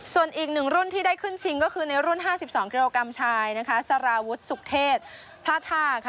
ส่วนอีกหนึ่งรุ่นที่ได้ขึ้นชิงก็คือในรุ่น๕๒กิโลกรัมชายนะคะสารวุฒิสุขเทศพระท่าค่ะ